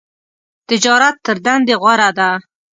تجارت تر دندی غوره ده .